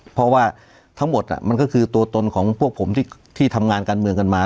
เพราะว่าทั้งหมดมันก็คือตัวตนของพวกผมที่ทำงานการเมืองกันมา